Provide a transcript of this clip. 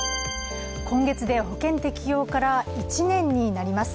今月で保険適用から１年になります。